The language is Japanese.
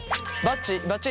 ばっち？